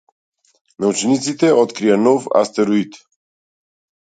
Научниците открија нов астероид.